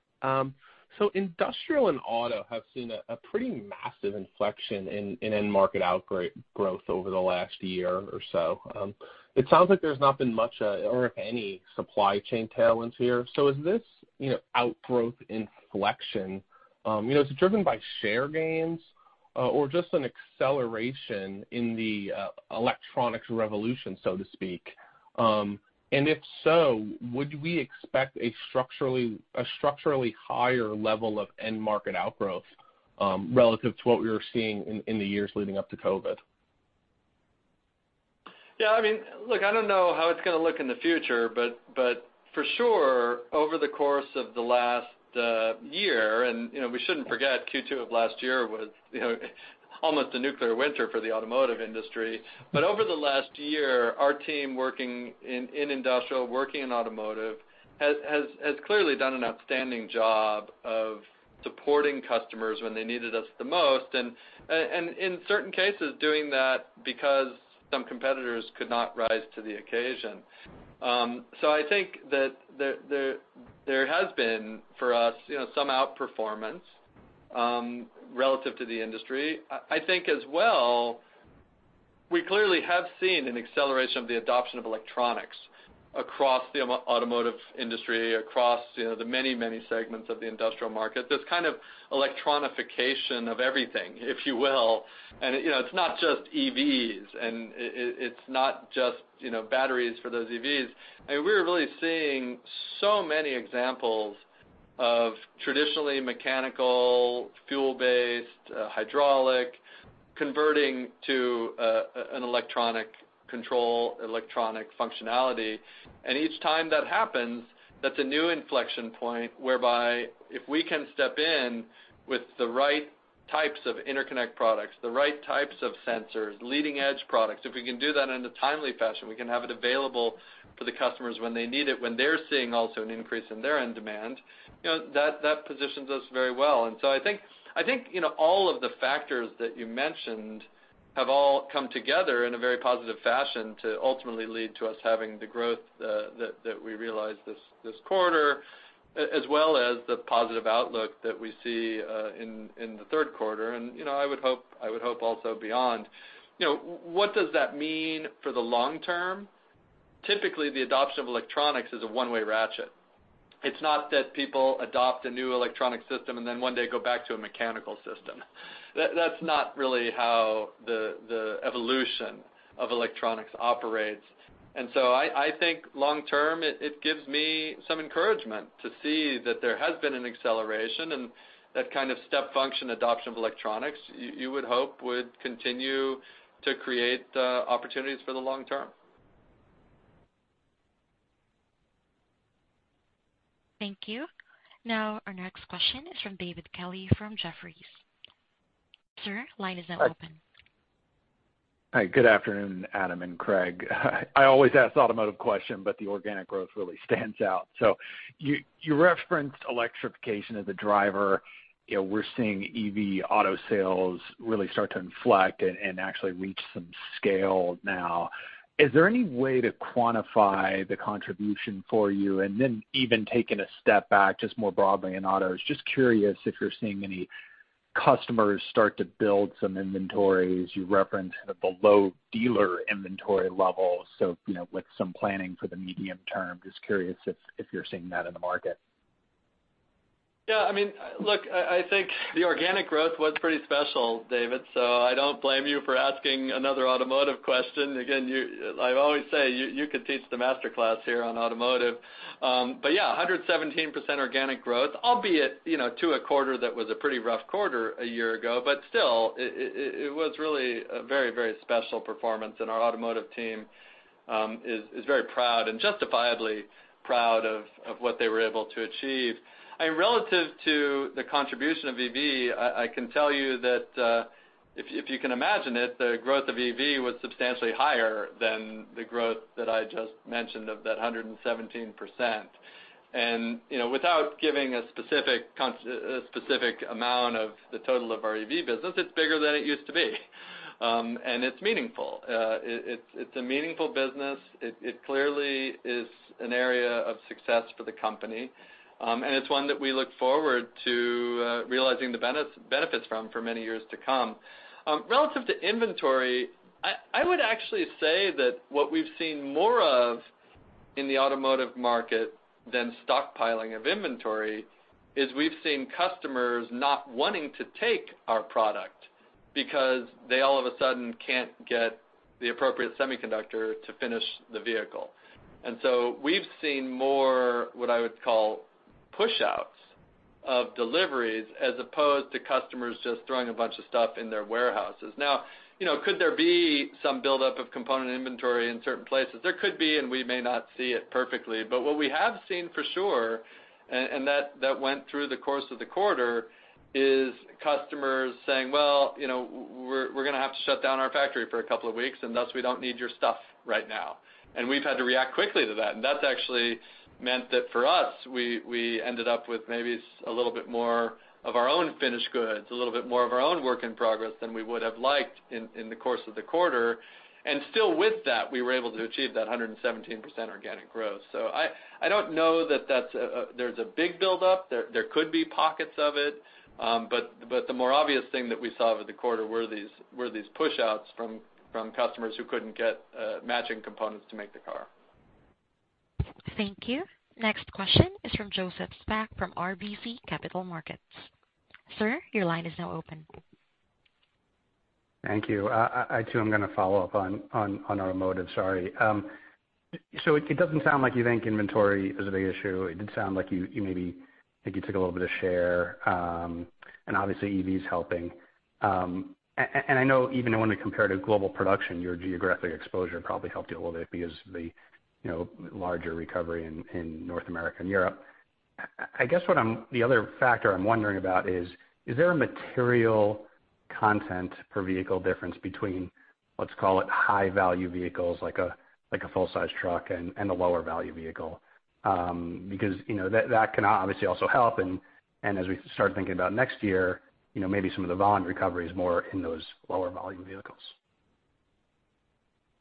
Industrial and auto have seen a pretty massive inflection in end-market outgrowth over the last year or so. It sounds like there's not been much or if any supply chain tailwinds here. Is this outgrowth inflection driven by share gains or just an acceleration in the electronics revolution, so to speak? If so, would we expect a structurally higher level of end-market outgrowth relative to what we were seeing in the years leading up to COVID? Yeah. Look, I don't know how it's going to look in the future, but for sure, over the course of the last year, and we shouldn't forget Q2 of last year was almost a nuclear winter for the automotive industry. Over the last year, our team working in industrial, working in automotive, has clearly done an outstanding job of supporting customers when they needed us the most, and in certain cases, doing that because some competitors could not rise to the occasion. I think that there has been, for us, some outperformance relative to the industry. I think as well, we clearly have seen an acceleration of the adoption of electronics across the automotive industry, across the many, many segments of the industrial market. This kind of electronification of everything, if you will. It's not just EVs, and it's not just batteries for those EVs. We're really seeing so many examples of traditionally mechanical, fuel-based, hydraulic converting to an electronic control, electronic functionality. Each time that happens, that's a new inflection point whereby if we can step in with the right types of interconnect products, the right types of sensors, leading-edge products. If we can do that in a timely fashion, we can have it available for the customers when they need it, when they're seeing also an increase in their end demand, that positions us very well. I think all of the factors that you mentioned have all come together in a very positive fashion to ultimately lead to us having the growth that we realized this quarter, as well as the positive outlook that we see in the third quarter, and I would hope also beyond. What does that mean for the long term? Typically, the adoption of electronics is a one-way ratchet. It's not that people adopt a new electronic system and then one day go back to a mechanical system. That's not really how the evolution of electronics operates. I think long term, it gives me some encouragement to see that there has been an acceleration, and that kind of step function adoption of electronics, you would hope would continue to create opportunities for the long term. Thank you. Now our next question is from David Kelley from Jefferies. Sir, line is now open. Hi, good afternoon, Adam and Craig. I always ask the automotive question, but the organic growth really stands out. You referenced electrification as a driver. We're seeing EV auto sales really start to inflect and actually reach some scale now. Is there any way to quantify the contribution for you? Even taking a step back, just more broadly in autos, just curious if you're seeing any customers start to build some inventories. You referenced the low dealer inventory levels, so with some planning for the medium term. Just curious if you're seeing that in the market. Yeah. Look, I think the organic growth was pretty special, David, so I don't blame you for asking another automotive question. I always say you could teach the master class here on automotive. Yeah, 117% organic growth, albeit to a quarter that was a pretty rough quarter a year ago. Still, it was really a very, very special performance, and our automotive team is very proud, and justifiably proud of what they were able to achieve. Relative to the contribution of EV, I can tell you that if you can imagine it, the growth of EV was substantially higher than the growth that I just mentioned of that 117%. Without giving a specific amount of the total of our EV business, it's bigger than it used to be. It's meaningful. It's a meaningful business. It clearly is an area of success for the company, and it's one that we look forward to realizing the benefits from for many years to come. Relative to inventory, I would actually say that what we've seen more of in the automotive market than stockpiling of inventory is we've seen customers not wanting to take our product because they all of a sudden can't get the appropriate semiconductor to finish the vehicle. So we've seen more, what I would call push outs of deliveries as opposed to customers just throwing a bunch of stuff in their warehouses. Now, could there be some buildup of component inventory in certain places? There could be, and we may not see it perfectly, but what we have seen for sure, and that went through the course of the quarter, is customers saying, "Well, we're going to have to shut down our factory for two weeks and thus we don't need your stuff right now." We've had to react quickly to that. That's actually meant that for us, we ended up with maybe a little bit more of our own finished goods, a little bit more of our own work in progress than we would have liked in the course of the quarter. Still with that, we were able to achieve that 117% organic growth. I don't know that there's a big buildup. There could be pockets of it. The more obvious thing that we saw over the quarter were these push outs from customers who couldn't get matching components to make the car. Thank you. Next question is from Joseph Spak from RBC Capital Markets. Sir, your line is now open. Thank you. I too am going to follow up on automotive, sorry. It doesn't sound like you think inventory is a big issue. It did sound like you maybe think you took a little bit of share, and obviously EVs helping. I know even when we compare to global production, your geographic exposure probably helped you a little bit because the larger recovery in North America and Europe. I guess the other factor I'm wondering about is there a material content per vehicle difference between, let's call it high-value vehicles like a full-size truck and a lower value vehicle? That can obviously also help and as we start thinking about next year, maybe some of the volume recovery is more in those lower volume vehicles.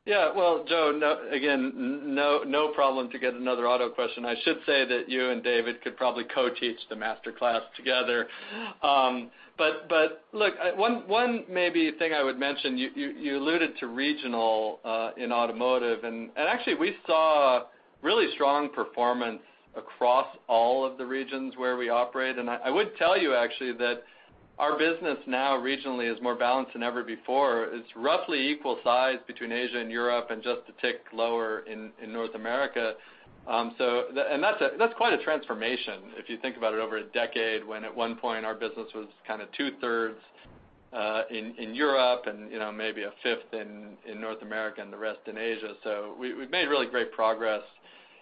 Yeah. Well, Joe, again, no problem to get another auto question. I should say that you and David could probably co-teach the master class together. Look, one maybe thing I would mention, you alluded to regional in automotive, and actually we saw really strong performance across all of the regions where we operate. I would tell you actually, that our business now regionally is more balanced than ever before. It's roughly equal size between Asia and Europe and just a tick lower in North America. That's quite a transformation if you think about it over a decade when at one point our business was kind of two-thirds in Europe and maybe a fifth in North America and the rest in Asia. We've made really great progress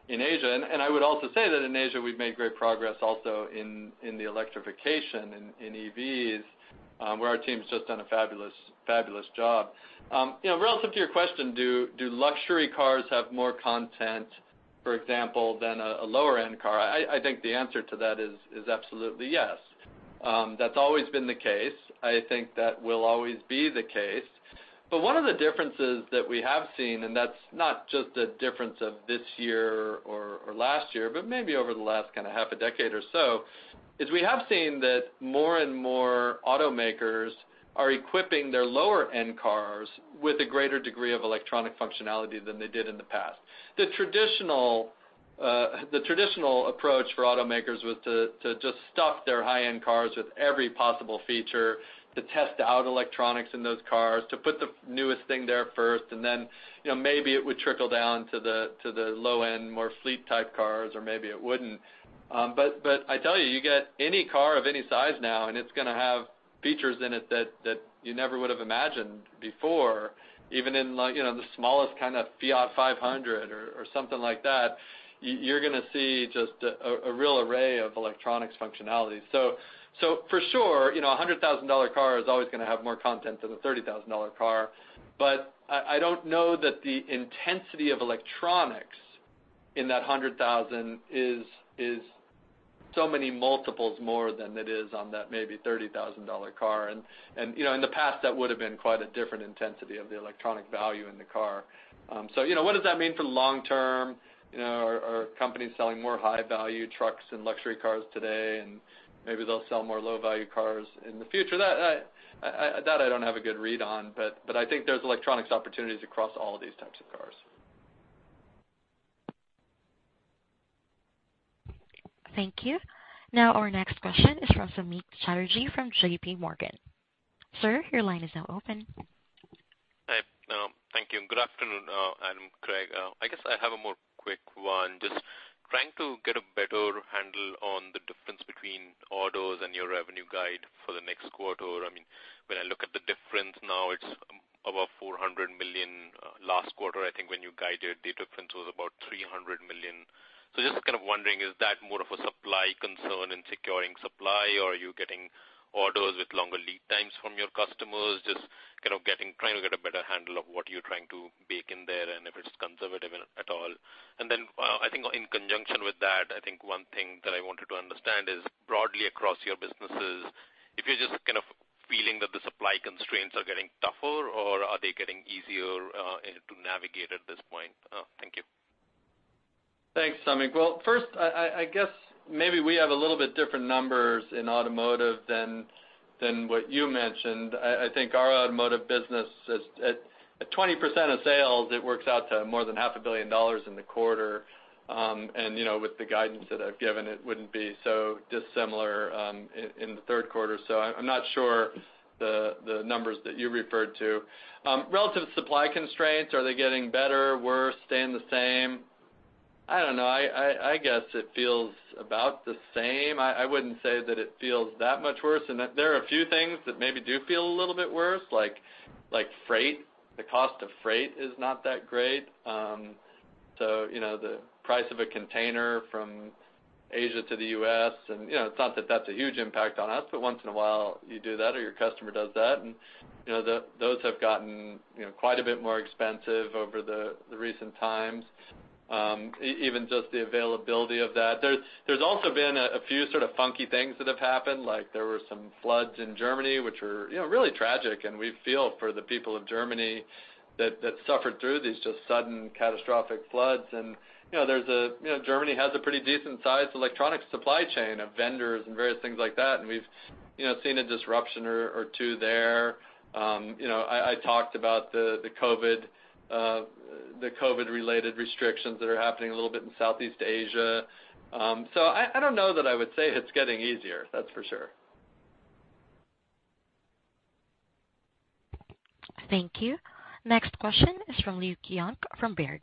in Asia. I would also say that in Asia, we've made great progress also in the electrification in EVs, where our team's just done a fabulous job. Relative to your question, do luxury cars have more content, for example, than a lower end car? I think the answer to that is absolutely yes. That's always been the case. I think that will always be the case. One of the differences that we have seen, and that's not just a difference of this year or last year, but maybe over the last kind of half a decade or so, is we have seen that more and more automakers are equipping their lower end cars with a greater degree of electronic functionality than they did in the past. The traditional approach for automakers was to just stuff their high-end cars with every possible feature to test out electronics in those cars, to put the newest thing there first, and then maybe it would trickle down to the low end, more fleet type cars or maybe it wouldn't. I tell you get any car of any size now and it's going to have features in it that you never would have imagined before. Even in the smallest kind of Fiat 500 or something like that, you're going to see just a real array of electronics functionality. For sure, $100,000 car is always going to have more content than a $30,000 car. I don't know that the intensity of electronics in that $100,000 is so many multiples more than it is on that maybe $30,000 car. In the past, that would have been quite a different intensity of the electronic value in the car. What does that mean for the long term? Are companies selling more high-value trucks and luxury cars today and maybe they'll sell more low-value cars in the future? That I don't have a good read on, but I think there's electronics opportunities across all of these types of cars. Thank you. Our next question is from Samik Chatterjee from JPMorgan. Sir, your line is now open. Hi. Thank you and good afternoon Adam, Craig. I guess I have a more quick one. Just trying to get a better handle on the difference between autos and your revenue guide for the next quarter. When I look at the difference now it's more about $400 million last quarter. I think when you guided, the delta was about $300 million. Just kind of wondering, is that more of a supply concern in securing supply, or are you getting orders with longer lead times from your customers? Just trying to get a better handle of what you're trying to bake in there, and if it's conservative at all. I think in conjunction with that, I think one thing that I wanted to understand is broadly across your businesses, if you're just kind of feeling that the supply constraints are getting tougher, or are they getting easier to navigate at this point? Thank you. Thanks, Samik. First, we have a little bit different numbers in automotive than what you mentioned. I think our automotive business is at 20% of sales, it works out to more than half a billion dollars in the quarter. With the guidance that I've given, it wouldn't be so dissimilar in the third quarter. I'm not sure the numbers that you referred to. Relative supply constraints, are they getting better, worse, staying the same? I don't know. It feels about the same. I wouldn't say that it feels that much worse. There are a few things that maybe do feel a little bit worse, like freight. The cost of freight is not that great. The price of a container from Asia to the U.S., it's not that that's a huge impact on us, but once in a while you do that or your customer does that, and those have gotten quite a bit more expensive over the recent times. Even just the availability of that. There's also been a few sort of funky things that have happened, like there were some floods in Germany, which are really tragic, and we feel for the people of Germany that suffered through these just sudden catastrophic floods. Germany has a pretty decent-sized electronic supply chain of vendors and various things like that, and we've seen a disruption or two there. I talked about the COVID-related restrictions that are happening a little bit in Southeast Asia. I don't know that I would say it's getting easier, that's for sure. Thank you. Next question is from Luke Junk from Baird.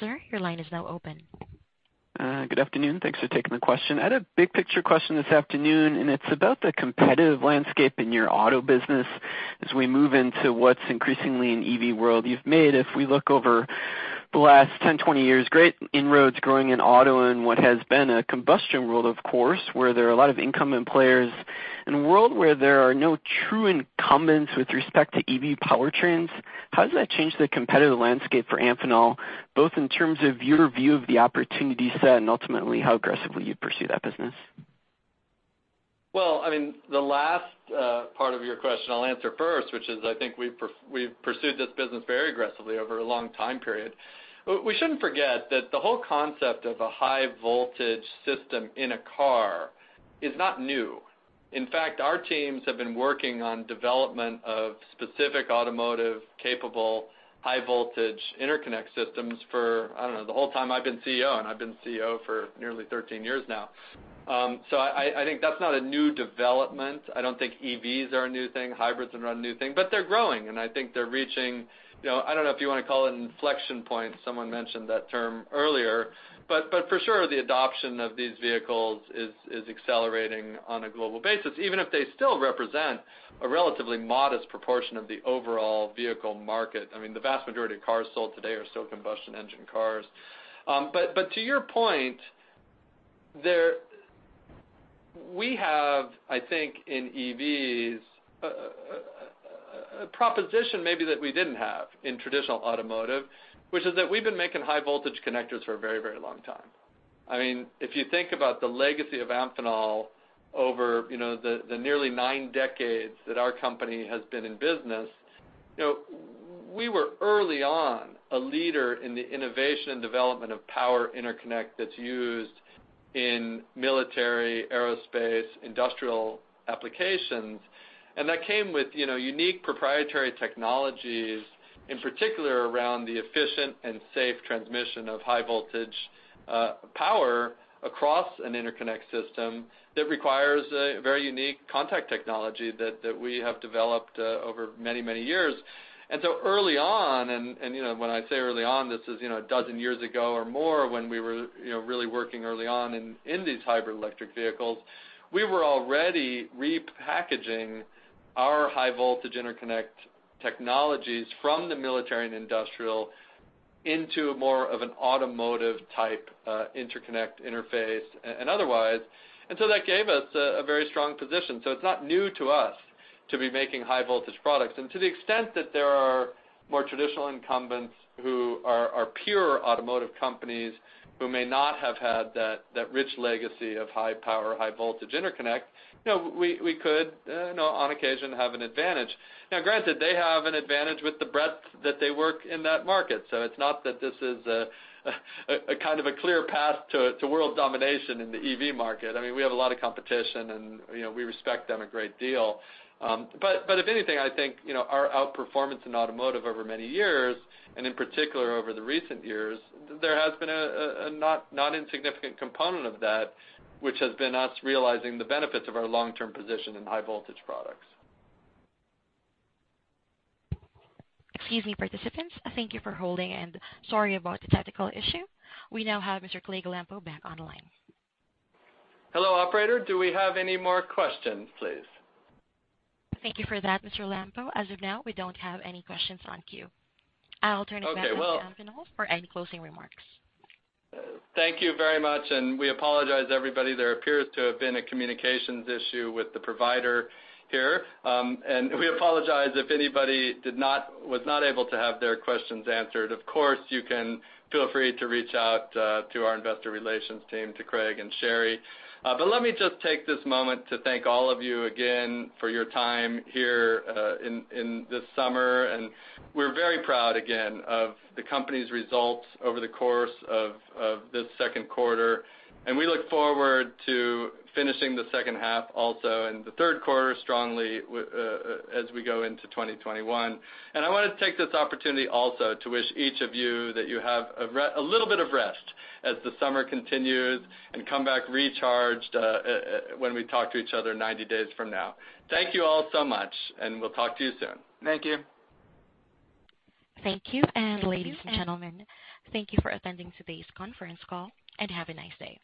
Sir, your line is now open. Good afternoon. Thanks for taking the question. I had a big-picture question this afternoon, it's about the competitive landscape in your auto business as we move into what's increasingly an EV world you've made. If we look over the last 10, 20 years, great inroads growing in auto and what has been a combustion world, of course, where there are a lot of incumbent players. In a world where there are no true incumbents with respect to EV powertrains, how does that change the competitive landscape for Amphenol, both in terms of your view of the opportunity set and ultimately how aggressively you pursue that business? Well, the last part of your question I'll answer first, which is I think we've pursued this business very aggressively over a long time period. We shouldn't forget that the whole concept of a high voltage system in a car is not new. In fact, our teams have been working on development of specific automotive capable high voltage interconnect systems for, I don't know, the whole time I've been CEO, and I've been CEO for nearly 13 years now. I think that's not a new development. I don't think EVs are a new thing. Hybrids are not a new thing. They're growing, and I think they're reaching, I don't know if you want to call it inflection point. Someone mentioned that term earlier. For sure, the adoption of these vehicles is accelerating on a global basis, even if they still represent a relatively modest proportion of the overall vehicle market. The vast majority of cars sold today are still combustion engine cars. To your point, we have, I think, in EVs, a proposition maybe that we didn't have in traditional automotive, which is that we've been making high voltage connectors for a very long time. If you think about the legacy of Amphenol over the nearly nine decades that our company has been in business, we were early on a leader in the innovation and development of power interconnect that's used in military, aerospace, industrial applications. That came with unique proprietary technologies, in particular, around the efficient and safe transmission of high voltage power across an interconnect system that requires a very unique contact technology that we have developed over many years. Early on, and when I say early on, this is 12 years ago or more when we were really working early on in these hybrid electric vehicles, we were already repackaging our high voltage interconnect technologies from the military and industrial into more of an automotive type interconnect interface and otherwise. That gave us a very strong position. It's not new to us to be making high voltage products. To the extent that there are more traditional incumbents who are pure automotive companies who may not have had that rich legacy of high power, high voltage interconnect, we could, on occasion, have an advantage. Now granted, they have an advantage with the breadth that they work in that market. It's not that this is a kind of a clear path to world domination in the EV market. We have a lot of competition, and we respect them a great deal. If anything, I think our outperformance in automotive over many years, and in particular over the recent years, there has been a not insignificant component of that, which has been us realizing the benefits of our long-term position in high voltage products. Excuse me, participants. Thank you for holding, and sorry about the technical issue. We now have Mr. Craig Lampo back online. Hello, operator. Do we have any more questions, please? Thank you for that, Mr. Lampo. As of now, we don't have any questions on queue. I'll turn it back over to Amphenol for any closing remarks. Thank you very much. We apologize, everybody. There appears to have been a communications issue with the provider here. We apologize if anybody was not able to have their questions answered. Of course, you can feel free to reach out to our investor relations team, to Craig and Sherry. Let me just take this moment to thank all of you again for your time here in this summer. We're very proud, again, of the company's results over the course of this second quarter. We look forward to finishing the second half also and the third quarter strongly as we go into 2021. I want to take this opportunity also to wish each of you that you have a little bit of rest as the summer continues and come back recharged when we talk to each other 90 days from now. Thank you all so much, and we'll talk to you soon. Thank you. Ladies and gentlemen, thank you for attending today's conference call, and have a nice day.